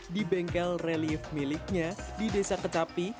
di bengkel relief miliknya di desa ketapi